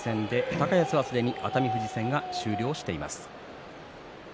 高安は、すでに熱海富士戦が終了しています。